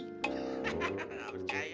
hahaha gak percaya